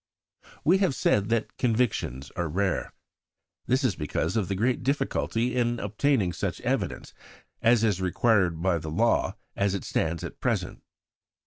'" We have said that convictions are rare. This is because of the great difficulty in obtaining such evidence as is required by the law as it stands at present.